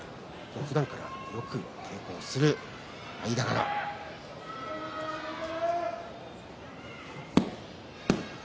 ふだんからよく稽古をする２人です。